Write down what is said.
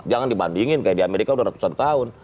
jangan dibandingin kayak di amerika udah ratusan tahun